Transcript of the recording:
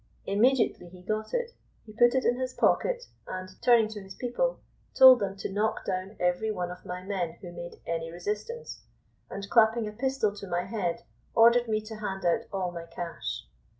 Immediately he got it he put it in his pocket, and, turning to his people, told them to knock down every one of my men who made any resistance, and clapping a pistol to my head ordered me to hand out all my cash.